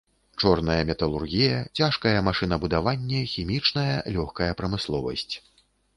Чорная металургія, цяжкае машынабудаванне, хімічная, лёгкая прамысловасць.